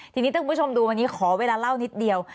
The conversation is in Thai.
ทีนี้ถ้าคุณผู้ชมดูวันนี้ขอเวลาเล่านิดเดียว